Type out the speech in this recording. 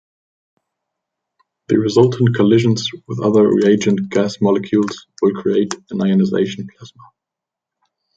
The resultant collisions with other reagent gas molecules will create an ionization plasma.